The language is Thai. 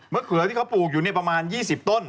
เขือที่เขาปลูกอยู่ประมาณ๒๐ต้น